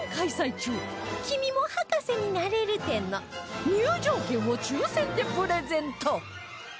「君も博士になれる展」の入場券を抽選でプレゼント